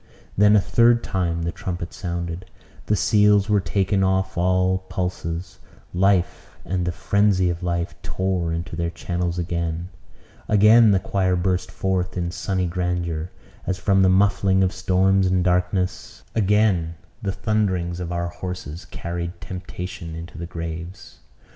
Then a third time the trumpet sounded; the seals were taken off all pulses; life, and the frenzy of life, tore into their channels again; again the choir burst forth in sunny grandeur, as from the muffling of storms and darkness; again the thunderings of our horses carried temptation into the graves.